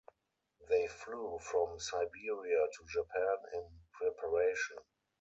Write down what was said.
They flew from Siberia to Japan in preparation.